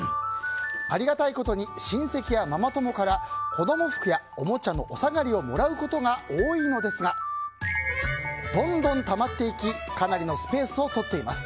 ありがたいことに親戚やママ友から子供服やおもちゃのお下がりをもらうことが多いのですがどんどんたまっていきかなりのスペースを取っています。